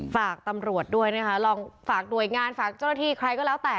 ฝากตำรวจด้วยนะคะลองฝากหน่วยงานฝากเจ้าหน้าที่ใครก็แล้วแต่